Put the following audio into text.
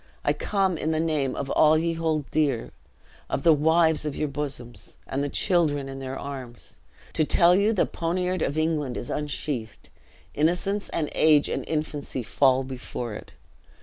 I come in the name of all ye hold dear, of the wives of you bosoms, and the children in their arms, to tell you the poniard of England is unsheathed innocence and age and infancy fall before it.